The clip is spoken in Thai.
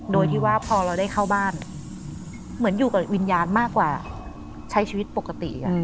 โดยที่ว่าพอเราได้เข้าบ้านเหมือนอยู่กับวิญญาณมากกว่าใช้ชีวิตปกติ